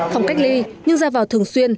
phòng cách ly nhưng ra vào thường xuyên